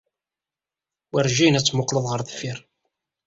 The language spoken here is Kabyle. Werjin ad temmuqqleḍ ɣer deffir.